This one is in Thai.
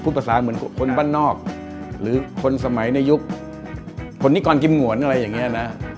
ภาษาเหมือนคนบ้านนอกหรือคนสมัยในยุคคนนิกรกิมงวนอะไรอย่างนี้นะ